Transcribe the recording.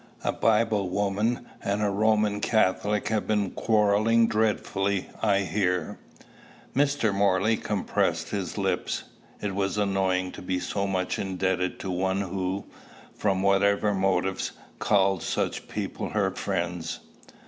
A Bible woman and a Roman Catholic have been quarrelling dreadfully, I hear." Mr. Morley compressed his lips. It was annoying to be so much indebted to one who, from whatever motives, called such people her friends.